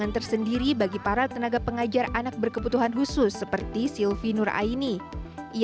tidak membuat silvi nur aini